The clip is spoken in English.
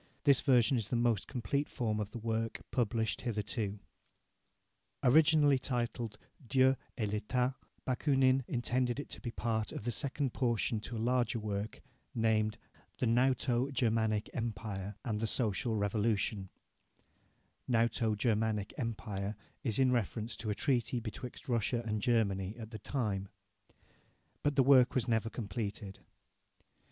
this version is the most complete form of the work published hitherto. Originally titled "Dieu et l'état", Bakunin intended it to be part of the second portion to a larger work named "The Knouto Germanic Empire and the Social Revolution" (Knouto Germanic Empire is in reference to a treaty betwixt Russia and Germany at the time), but the work was never completed.